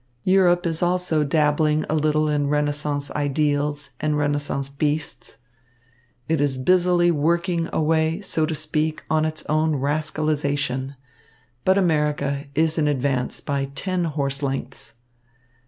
Europe is also dabbling a little in Renaissance ideals and Renaissance beasts. It is busily working away, so to speak, on its own rascalization. But America is in advance by ten horse lengths.